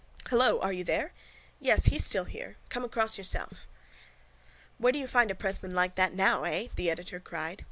—Hello?... Are you there?... Yes, he's here still. Come across yourself. —Where do you find a pressman like that now, eh? the editor cried.